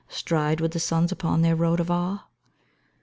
Stride with the suns upon their road of awe?